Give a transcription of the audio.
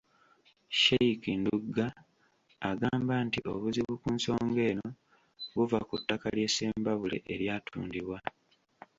Shiekh Ndugga agamba nti obuzibu ku nsonga eno buva ku ttaka lye Ssembabule eryatundibwa.